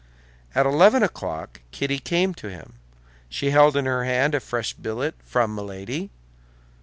At eleven o'clock Kitty came to him. She held in her hand a fresh billet from Milady.